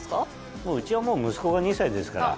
もううちは息子が２歳ですから。